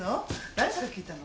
誰から聞いたの？